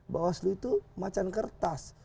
bawah slu itu macan kertas